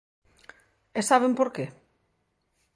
E, ¿saben por que?